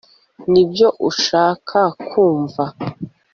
nibyo ushaka kumva